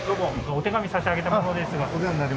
お手紙差し上げた者ですが。